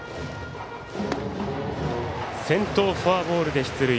先頭フォアボールで出塁。